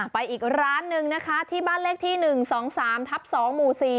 ไปอีกร้านหนึ่งนะคะที่บ้านเลขที่๑๒๓ทับ๒หมู่๔